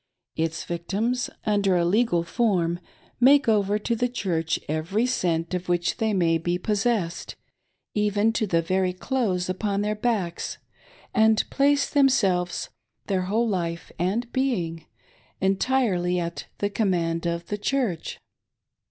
Its victims, under a legal form, make over to the Church every cent of which they may be possessed, even to the very clothes upon their backs, and place themselves — their whole life and being — ^^entirely at the command of "The Church."